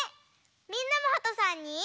みんなもはとさんに。